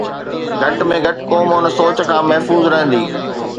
گهٽ ۾ گهٽ قوم ان سوچ کان محفوظ رهندي.